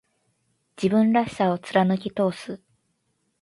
自分らしさを突き通す。